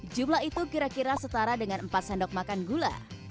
jumlah itu kira kira setara dengan empat sendok makan gula